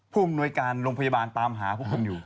ภูมิบริการโรงพยาบาลตามหาผู้คนนี้อยู่